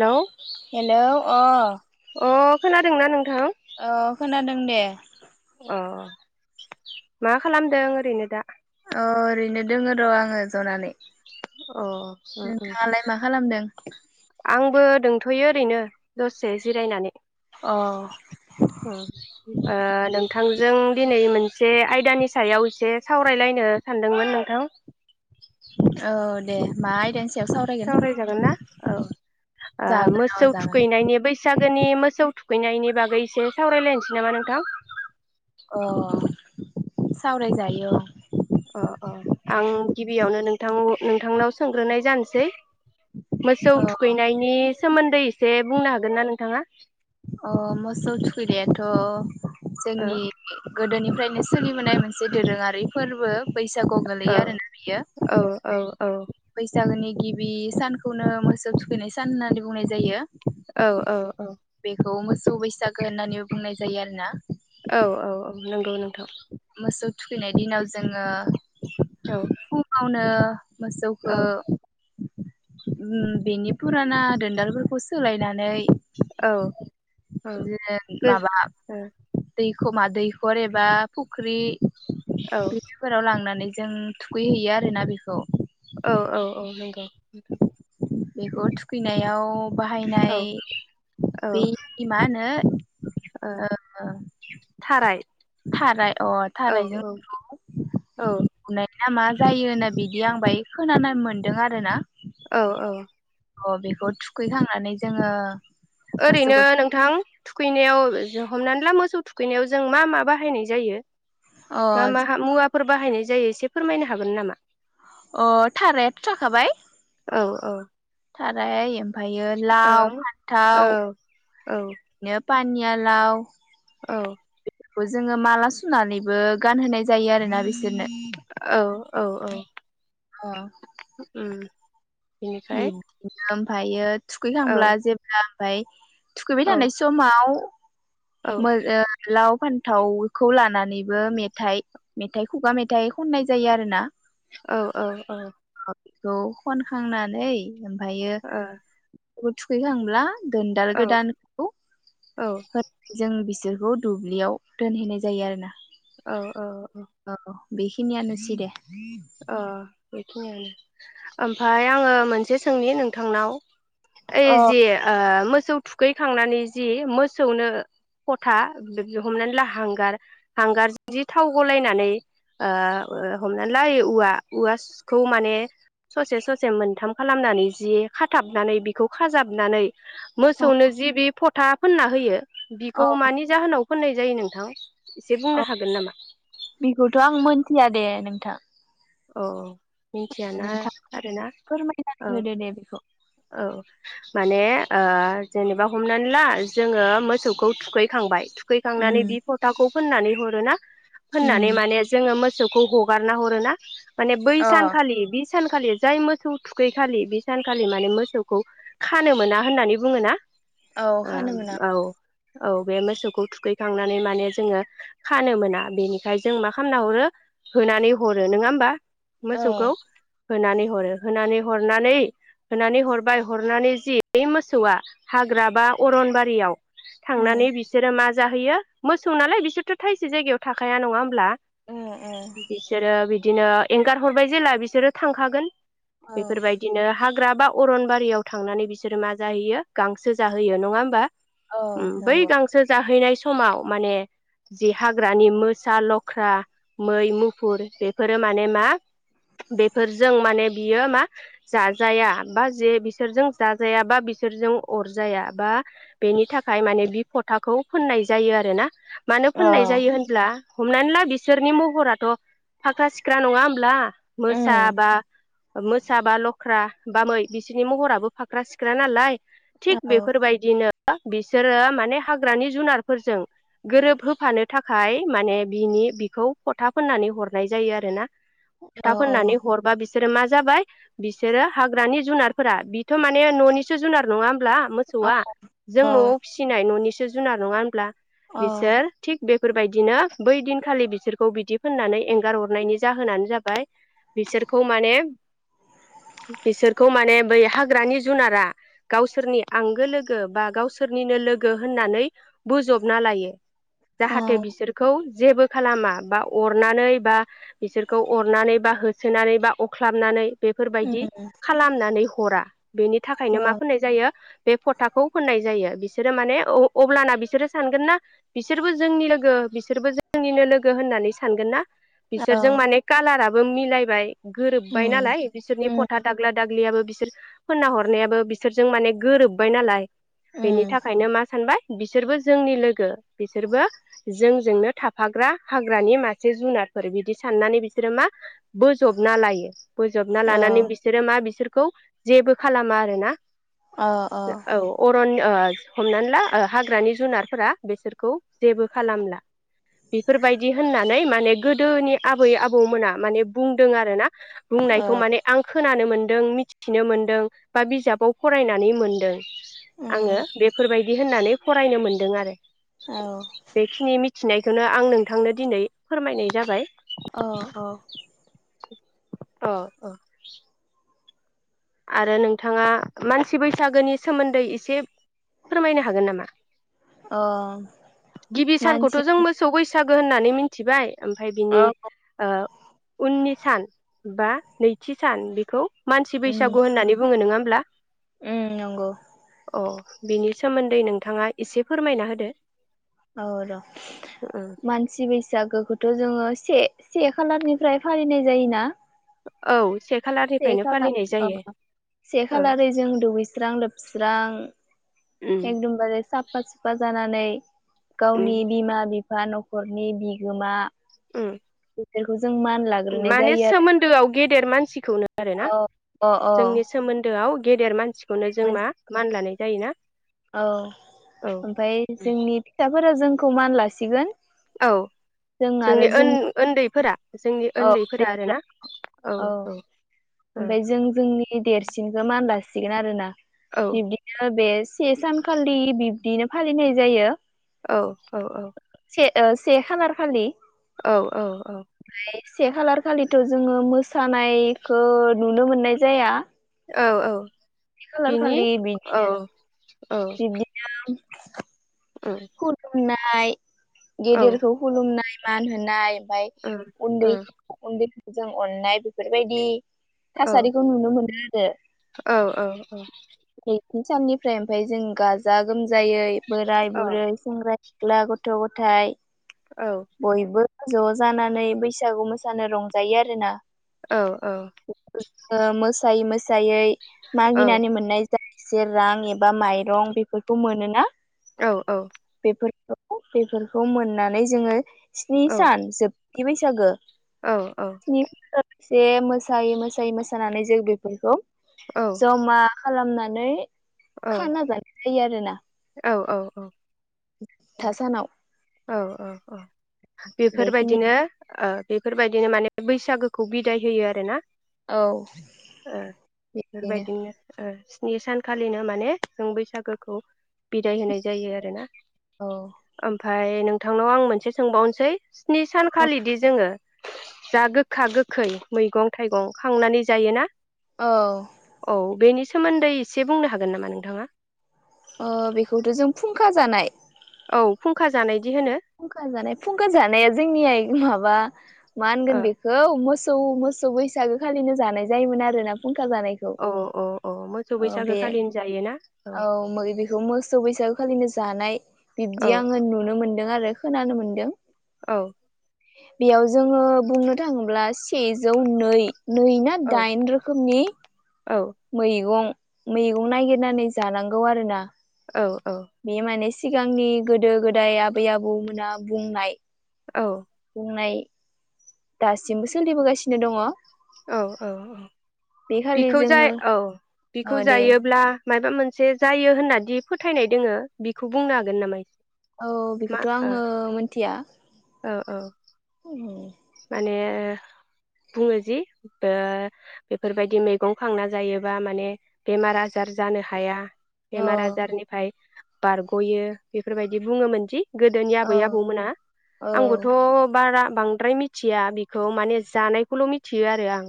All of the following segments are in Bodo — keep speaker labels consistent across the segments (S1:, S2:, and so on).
S1: हेलौ
S2: हेल' अ
S1: खोनादों ना नोंथा?
S2: औ खोनादों दे।
S1: अ मा खालामदों ओरैनो दा?
S2: ओरैनो दङो र' आङो जनानै।
S1: अ उम उम
S2: नोंथाङालाय मा खालामदों
S1: आंबो दंथ'यो। दंथ'यो ओरैनो दसे जिरायनानै।
S2: अ
S1: [unintelligible] नोंथांजों दिनै मोनसे आयदानि सायाव एसे सावरायलायनो सानदोंमोन नोंथां।
S2: औ दे। सायाव सावरायगोन
S1: सावरायजागोन ना औ
S2: जागोन अ
S1: मोसौ
S2: जागोन
S1: थुखैनायनि बैसागोनि मोसौ थु थुखैनायनि बागै एसे सावरायलायनोसै नामा नोंथां।
S2: अ सावराय जायो।
S1: अ अ आं गिबियावनो नोंथां नोंथांनाव सोंग्रोनाय जानोसै। मोसौ
S2: अ
S1: थुखैनायनि सोमोन्दै एसे बुंनो हागोन ना नोंथाङा।
S2: अ मोसौ थुखैनायाथ'
S1: ओ
S2: जोंनि गोदोनि सोलिबोनाय मोनसे दोरोङारि फोरबो। बैसागु
S1: औ
S2: गोलैयो आरोना बियो।
S1: औ औ औ।
S2: बैसागोनि गिबि सानखौनो मोसौ थुखैनाय सान होननानै बुंनाय जायो।
S1: औ औ औ।
S2: बेखौ मोसौ बैसागो होननानैबो बुंनाय जायो आरो ना।
S1: औ औ औ नंगौ नंगौ।
S2: मोसौ। थुखैनाय दिनाव जोङो।
S1: औ
S2: फुङावनो मोसौखौ।
S1: औ
S2: बेनि फुराना दोनदालफोरखौ सोलायनानै [inaudible]
S1: औ गो
S2: [inaudible] दैखर एबा बाख्रि।
S1: औ
S2: बेफोराव लांनानै जों थुखैहैयो आरोना बेखौ
S1: औ औ औ नंगौ। [inaudible]
S2: बेखौ थुखैनायाव
S1: औ
S2: बाहायनाय
S1: औ
S2: बै मा होनो।
S1: ओ। थाराय।
S2: थाराय अ
S1: औ
S2: थारायजों
S1: औ औ
S2: [unintelligible] बुनाय। या मा जायो होनना बिदि आं बाय खोनानो मोनदों आरो ना।
S1: औ औ
S2: अ बेखौ थुखैखांनानै जोङो
S1: ओरैनो
S2: मोसौखौ
S1: नोंथां थुखैनायाव। जों हमनानै ला मोसौ थुखैनायाव जों मा मा बाहायनाय जायो।
S2: अ
S1: मा माहा मुवा फोर बाहायनाय जायो एसे फोरमायनो हागोन नामा?
S2: अ थारायाथ' थाखाबाय।
S1: औ औ
S2: थाराय आरो। ओमफ्रायो
S1: औ
S2: लाव फान्थाव
S1: औ
S2: नोप पानिया लाउ
S1: औ।
S2: बो जोङो माला सुनानैबो गानहोनाय जायो आरोना बिसो
S1: औ औ औ।
S2: [inaudible]
S1: उम। बिनिफ्राय
S2: बिबदिनो ओमफ्रायो
S1: औ
S2: थुखैखांब्ला जेब्ला ओमफाय थुखैबाय
S1: औ
S2: थानाय समाव
S1: औ
S2: मो ओ लाव फान्थावखौ लानानैबो मेथाइ मेथाइ खुगा मेथाइ खननाय जायो आरोना।
S1: औ औ औ।
S2: बेखौ खनखांना नै ओमफायो
S1: ओ औ
S2: बेखौ थुखै खांब्ला दोनदाल गोदानखौ
S1: औ
S2: होद जों बि सोरखौ दुब्लियाव दोनहैनाय जायो आरो ना।
S1: औ औ औ।
S2: बेखिनियानोसै दे।
S1: ओ। बेखिनियानो ओमफाय आङो मोनसे सोंनि नोंथांनाव। ओइ
S2: औ
S1: जे आ मोद मोसौ थुखैखांनानै जि मोसौनो फथा हमनानै ला हांगार हांगार जि थाव गलायनानै ओ हमनानै लायो उवा उवासखौ माने ससे ससे मोनथाम। खालामनानै जि खाथाबनानै बिखौ खाजाबनानै
S2: औ
S1: मोसौनो जि बि फथा फोनना होयो।
S2: औ
S1: बिखौ मानि जाहोनाव फुननाय जायो नोंथां। एसे बुंनो
S2: औ
S1: हागोन नामा?
S2: बेखौथ' आं मोनथिया दे नों था।
S1: औ। मिथियाना आरोना
S2: फोरमायनानै
S1: औ
S2: होदो दे बेखौ
S1: औ। माने ओ जेनेबा हमनानै ला जोङो मोसौखौ थुखैखांबाय थु खैखांनानै
S2: उम
S1: बि फथाखौ फोननानै हरोना? होननानै
S2: उम
S1: माने जोङो मो फिसौखौ हगारना हरोना? माने बै
S2: अ
S1: सान खलि बि सानखालि जाय मोसौ थुखैखालि बे सानखालि माने मोसौखौ खानो मोना होननानै बुङो ना?
S2: औ खानो
S1: आम
S2: मोना
S1: औ। औ बे मोसौखौ थुखैखांनानै माने जोङो खानो मोना बेनिखायनो जों मा खालामना हरो होनानै ह रो नङा होमबा।
S2: औ
S1: मोसौखौ। होनानै हरो होनानै हरनानै होनानै हरबाय हरनानै जि बे मोसौआ हाग्रा बा अरनबारियाव थांनानै
S2: उम
S1: बिसोरो मा जाहैयो मोसौ नालाय बिसोरथ' थायसे जायगायाव थाखाया नङा होमब्ला?
S2: उम उम।
S1: दी बिदिनो एंगार हरबाय जेला बिसोरो थांखागोन।
S2: औ
S1: बेफोरबायदिनो हाग सोरहाग्राबा अरनबारियाव थांनानै बिसोरो मा जाहैयो गांसो जाहोयो नङा होमबा।
S2: औ
S1: उम बै
S2: नंगौ
S1: गांसो जाहैनाय स समाव माने जि हाग्रानि मोसा लख्रा मै मु फुर बेफोरो माने मा बेफोरजों माने बियो मा जाजाया बा जे बिसोरजों जाजाया बा बिसोरजों अरजाया बा बेनि थाखाय माने बि फथाखौ फोननाय जायो आरोना मानो
S2: औ
S1: फोननाय जायो होनब्ला हमनानै ला बिसोरनि महराथ' फाख्रा सिख्रा नङा होमब्ला
S2: उम
S1: मोसाबा मोसाबा ल' ख्रा बामै बिसोरनि महराबो फाख्रा सिख्रा नालाय।
S2: औ
S1: थिग बेफोरबायदिनो बा बिसोरो माने हाग्रानि जुनारफोरजों गोरोब होफानो थाखाय माने बिनि बिखौ फथा फोननानै हरनाय जायो आरो ना।
S2: औ
S1: था फोननानै हरबा बि बिसोरो मा जाबाय बिसोरो हाग्रानि जुनारफोरा बिथ' माने न'निसो जुनार नङा होमब्ला? मोसौआ जों
S2: औ
S1: न'आव फिसिनाय न'नि बि जुनार नङा होनब्ला।
S2: औ
S1: बिसार थिक बे बेफोरबायदिनो बै दिनखालि बिसोरखौ बिदि फोननानै एंगार हरनायनि जाहोनानो जाबाय बिसोरखौ माने बिसोरखौ माने बै हाग्रानि जुनारा गावसोरनि आंगो लोगो बा गावसोरनिनो लोगो होननानै बोजबना लायो। जाहाथे बिसोरखौ जेबो खालामा बा अरनानै बा बिसोरखौ अरनानै बा होसोनानै बा अख्लाबनानै बेफोरबायदि
S2: उम
S1: खालामनानै हरा। बेनि थाखायनो
S2: औ
S1: मा फुनाय जायो बे फथाखौ फोननाय जायो बिसोरो माने अ-अब्लाना बिसोरो सानगोन ना बिसोरबो जोंनि लोगो बिसोरबो जोंनिनो लोगो होननानै सानगोन ना।
S2: औ
S1: बिसोरजों माने कालारा बो मिलायबाय गोरोब्बाय
S2: उम
S1: नालाय बिसोरनि
S2: उम
S1: फथा दाग्ला दाग्लियाबो बिसोर फोनना हरनायाबो बिसोरजों माने गोरोब्बाय नालाय। बेनि
S2: उम
S1: थाखायनो मा सानबाय बिसोरबो जोंनि लोगो बिसोरबो जोंजोंनो थाफाग्रा हाग्रानि मासे जुनार फोर बिदि साननानै बिसोरो मा बोजबना लायो। बोजबना
S2: औ
S1: लानानै बिसोरो मा बिसोर खौ जेबो खालामा आरोना। औ अरन ओ हमनानै ला ओ हाग्रानि जुनारफोरा बेसोरखौ जेबो खालामला बेफोरबायदि होननानै माने गोदोनि आबै आबौमोना माने बुंदों आरो ना बुंनायखौ
S2: औ
S1: माने आं खोनानो मोनदों मिथिनो मोनदों बा बिजाबाव फरायनानै मोनदों आङो
S2: उम
S1: बेफोरबायदि होननानै फरायनो मोनदों आरो।
S2: औ
S1: बेखिनि मिथिनाय खौनोंनो आं नोंथांनो दिनै फोरमायनाय जाबाय।
S2: औ-औ
S1: औ-औ आरो नोंथाङा मानसि बैसागोनि सोमोन्दै एसे फोरमायनो हागोन नामा
S2: अ
S1: गिबि सानखौथ'
S2: मानसि
S1: जों मोसौ बैसा बैसागो होननानै मिनथिबाय। ओमफाय
S2: औ
S1: बिनि ओ उननि सान बा नैथि सान बेखौ मा
S2: उम
S1: बैसागु होन्नानै बुंओ नोङाम ब्ला।
S2: उम नंगौ
S1: अ बिनि सोमोन्दै नोंथाङा एसे फोरमायना होदो
S2: औ र'
S1: औ
S2: मानसि बैसागोखौ थु जोङो से से खालारनिफ्राय फालिनाय जायोना
S1: औ से
S2: से
S1: खालारनिफ्रायनो फालिनाय जायो
S2: खालार से
S1: औ
S2: खालारै जों दुगैस्रां लोब स्रां
S1: उम
S2: एकदमबारे साफा सुफा जाना नै
S1: उम
S2: गावनि बिमा बिफा एफा न'खरनि बिगोमा
S1: उम
S2: [inaudible] लाग्रोनाय
S1: माने
S2: जायो आरो
S1: सोमोन्दोआव गेदेर मानसिखौनो आरोना
S2: औ अ अ
S1: जोंनि सोमोन्दोआव गेदेर मानसिखौनो जों मा माननानै जायोना
S2: औ
S1: औ
S2: ओमफ्राय जोंनि फिसाफोरा जों खौ मान लासिगोन
S1: औ
S2: जों आरो
S1: जोंनि
S2: जों
S1: ओन-ओन्दैफोरा जोंनि
S2: औ
S1: ओन्दैफोरा आरोना औ औ
S2: ओमफ्राय जों जोंनि देरसिनखौ मानलासिगोन आरोना
S1: औ
S2: बिबदि बे से सानखालि बि बिनो फालिनाय जायो
S1: औ औ औ
S2: से ओ से खालार खालि
S1: औ औ औ
S2: से खालार खालिथ' जोङो मोसानायखौ नुनो मोननाय जाया
S1: औ औ
S2: खालार
S1: बिनि
S2: खालि
S1: औ
S2: बिदिनो
S1: औ औ
S2: खुदुना नाय
S1: औ
S2: गेदेरखौ खुलुमनाय मान होनाय ओमफ्राय
S1: औ औ
S2: उन्दै उन्दै जों अननाय बेफोरबायदि
S1: औ
S2: थासारिखौ नुनो मोनो। जों
S1: औ औ औ
S2: बि साननिफ्राय ओमफ्राय जों गाजा गोम जायै बोराय बुरै सेंग्रा सिख्ला गथ' गथाइ बयबो ज' जानानै बैसागु मोसानो रंजायो आरोना
S1: औ औ
S2: सायै मागिनानै मोननाय जायो। से रां एबा माइरं बेफोरखौ मोनोना
S1: औ औ
S2: बेफोरखौ बेफोरखौ मोननानै जोङो स्नि सान जोब बि बैसागो
S1: औ औ
S2: जे मोसायै मोसायै मोसानानै जों बेफोरखौ जमा खालामनानै खाना जानो थायो आरो ना
S1: औ औ औ
S2: थासानाव
S1: औ औ
S2: बेखिनि
S1: बेफोरबायदिनो बेफोरबायदिनो माने बैसागोखौ बिदाय होयो आरोना
S2: औ बिदिनो
S1: बेफोरबायदिनो नि सानखालिनो माने जों बैसागोखौ बिदाय होनाय जायो आरोना।
S2: औ
S1: ओम ओमफ्राय नोंथांनाव आं मोनसे सोंबावनोसै स्नि सानखालिदि जोङो जा गोखा गोखै मैगं थाइगं खांनानै जायोना।
S2: औ
S1: औ बेनिसा सोमोन्दै एसे बुंनो हागोन नामा नोंथाङा?
S2: अ बेखौथ' जों फुंखा जानाय
S1: औ फुंखा जानाय
S2: फुंखा जानाय फुंखा जानाया जोंनिया माबा मा होनगोन
S1: ओ
S2: बेखौ मोस खौ मोसौ बैसागो खालिनो जानाय जायोमोन आरोना फुंखा जानायखौ
S1: औ औ औ मोसौ
S2: औ
S1: बैसागो
S2: बे
S1: खालिनो जायोना
S2: औ मै बेखौ मोसौ बैसागो खालिनो जानाय
S1: औ
S2: बिब्दि आङो नुनो मोन दों आरो खोनानो मोनदों।
S1: औ।
S2: बेयाव जोङो बुंनो थाङोब्ला सेजौ नै नै ना
S1: औ
S2: दाइन रोखोमनि
S1: औ
S2: मैगं मैगं नागिरनानै जानांगौ आरो ना।
S1: औ।
S2: बे मानि सिगांनि गोदो गोदाय आबै आबौमोना बुंनाय
S1: औ।
S2: बुंनाय दासिमबो सोलिबोगासिनो दङ।
S1: औ औ औ
S2: बे खालि
S1: बिखौ जा
S2: जोङो
S1: औ
S2: अ
S1: बिखौ
S2: दे
S1: जायोब्ला मायाबा मोनसे जायो होनना दि फोथायनाय दोङो बेखौ बुंनो हागोन नामा?
S2: औ
S1: मा
S2: बेखौथ'
S1: ओ
S2: आङो मोनथिया।
S1: औ औ।
S2: उम।
S1: माने बुङो जि ओ बेफोरबायदि मैगं खांना जायोबा माने बेमार आजार जानो हाया
S2: औ
S1: बेमार आजारनिफाय बारग'यो बेफोरबायदि बुङोमोन दि। गोदोनि आबै आबौमोना
S2: औ
S1: आंबोथ' बारा बांद्राय मि थिया बिखौ माने जानायखौल' मिथियो आरो आं।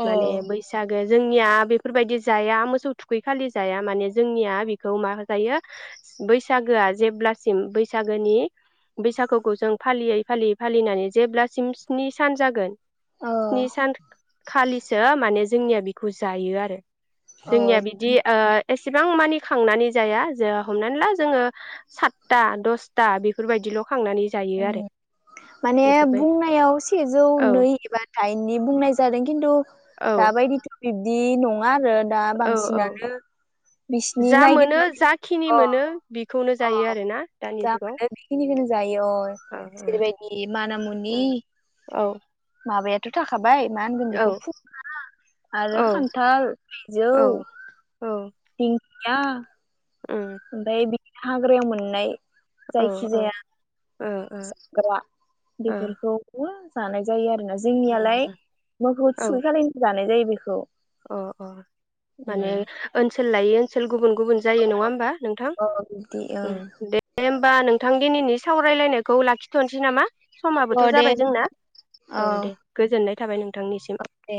S2: औ
S1: माने बैसाग ए जोंनिया बेफोरबायदि जाया मोसौ थुखै खालि जाया माने जोंनि बेखौ मा जायो बैसागोआ जेब्लासिम बैसागोनि बैसागोखौ फालियै फालियै फालिनानै जेब्ला सिम स्नि सान जागोन
S2: औ
S1: स्नि सानखालिसो माने जोंनिया बेखौ जायो आरो।
S2: औ
S1: जोंनिया बिदि ओह एसेबां मानि खांनानै जाया जोंहा हमनानै ला जोङो सातथा दसथा बेफोरबायदिल' खांनानै जायो आरो बेफोरबाय
S2: नायाव सेजौ
S1: औ
S2: नै एबा दाइननि बुंनाय जादों खिन्थु।
S1: औ
S2: दाबायदि [unintelligible] जि नं नङा आरो दा
S1: औ औ
S2: बांसिनानो बिसिनि
S1: जा मोनो
S2: नायगिरनानै
S1: जाखिनि
S2: अह।
S1: मोनो बेखौनो
S2: अ
S1: जायो आरोना दानि
S2: जा
S1: जुगाव
S2: मोनो बेखिनिखोनो जायो अ
S1: औ
S2: जेरैबायदि माना मुनि
S1: औ
S2: माबाया [unintelligible] बाय मा होनगोन
S1: औ
S2: बेखौ आरो
S1: औ
S2: खान्थाल बिजौ
S1: औ औ
S2: गैया
S1: उम
S2: ओमफाय बि हाग्रायाव मोननाय।
S1: औ
S2: जायखि
S1: औ
S2: जाया।
S1: ओ
S2: जाग्रा
S1: ओ
S2: बेफोरखौ बो जानाय जायो आ जोंनियालाय
S1: उम
S2: मोखौ
S1: उम औ
S2: थुखै खालिनो जानाय जायो। बेखौ
S1: अ अ
S2: उम
S1: माने ओनस सोल लायो सोल गुबुन-गुबुन जायो नङा होमबा नोंथां
S2: अ बिदि ओं
S1: दे होम बा नोंथां दिनैनि सावरायलायनायखौ लाखिथ'नसै नामा?
S2: अ
S1: समाबोथ'
S2: दे
S1: जाबाय जोंना औ दे गोजोननाय थाबाय नोंथांनिसिम।
S2: दे